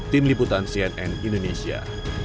tim liputan cnn indonesia